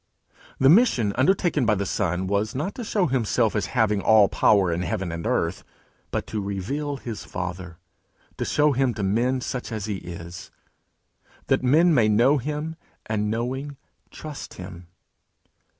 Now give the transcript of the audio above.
The mission undertaken by the Son, was not to show himself as having all power in heaven and earth, but to reveal his Father, to show him to men such as he is, that men may know him, and knowing, trust him.